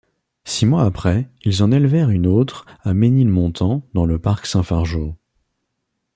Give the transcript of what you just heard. Six mois après, ils en élevèrent une autre à Ménilmontant dans le parc Saint-Fargeau.